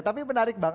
tapi menarik bang